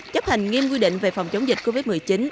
chấp hành nghiêm quy định về phòng chống dịch covid một mươi chín